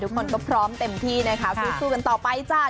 คนก็พร้อมเต็มที่นะคะสู้กันต่อไปจ้า